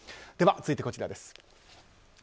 では続いて、こちらです。